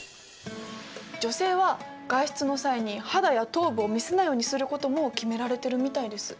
女性は外出の際に肌や頭部を見せないようにすることも決められてるみたいです。